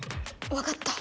わかった。